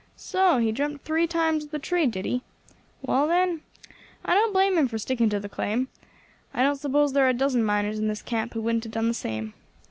So he dreamt three times of the tree, did he? Well, then, I don't blame him for sticking to the claim; I don't suppose there are a dozen miners in this camp who wouldn't have done the same.